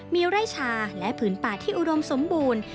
มีไร่ชาและผืนป่าที่อุดมสมบูรณ์